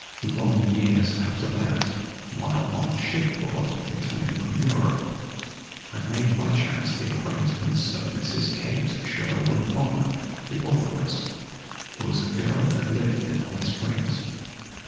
Long years after that, while on shipboard returning from Europe, I made by chance the acquaintance of Mrs. Kate Sherwood Bonner, the authoress, who as a girl had lived in Holly Springs.